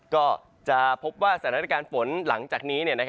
ก็จะพบว่าสารนาฬิการฝนหลังจากนี้